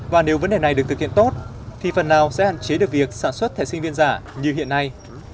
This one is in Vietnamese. và nếu vấn đề này được thực hiện tốt thì phần nào sẽ hạn chế được việc sản xuất thẻ sinh viên giả như hiện nay